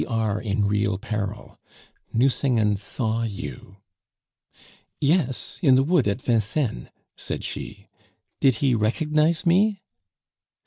We are in real peril. Nucingen saw you " "Yes, in the wood at Vincennes," said she. "Did he recognize me?"